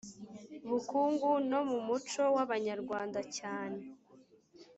bukungu no mu muco w abanyarwanda cyane